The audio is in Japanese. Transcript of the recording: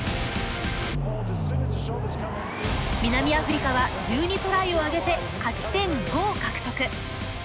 南アフリカは１２トライを挙げて勝ち点５を獲得。